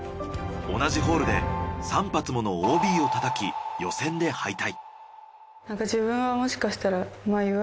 同じホールで３発ものＯＢをたたき予選で敗退。